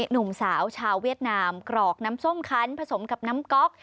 หนุ่มสาวชาวเวียดนามกรอกน้ำส้มคันผสมกับน้ำก๊อก